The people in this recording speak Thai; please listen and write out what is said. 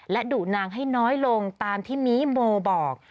และดุนางให้น้อยลงตามที่มีโมบอก